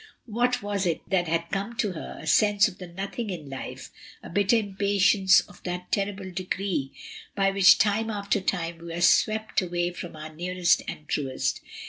What was it that had come to her, a sense of the nothing in life, a bitter impatience of that terrible decree by which time after time we are swept away from our nearest and truest